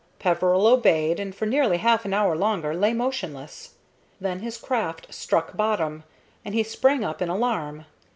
Peveril obeyed, and for nearly half an hour longer lay motionless. Then his craft struck bottom, and he sprang up in alarm.